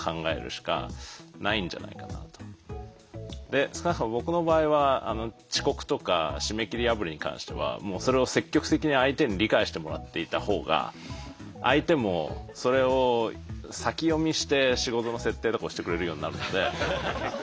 で少なくとも僕の場合は遅刻とか締め切り破りに関してはもうそれを積極的に相手に理解してもらっていた方が相手もそれを先読みして仕事の設定とかをしてくれるようになるので。